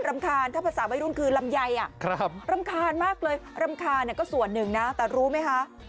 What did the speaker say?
ทานถ้าภาษาวัยรุ่นคือลำไยรำคาญมากเลยรำคาญก็ส่วนหนึ่งนะแต่รู้ไหมคะ